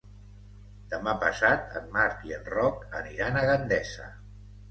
Demà passat en Marc i en Roc aniran a Gandesa.